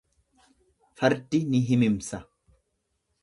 fardi ni himimsa.